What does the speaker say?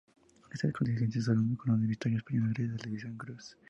Esta contingencia se saldó con una victoria española gracias a la División Cruz.